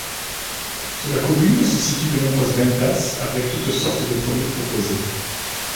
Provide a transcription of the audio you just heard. Sur la commune, se situe de nombreuses ventas avec toutes sortes de produits proposés.